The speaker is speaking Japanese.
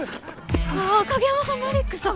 あ影山さんマリックさん！？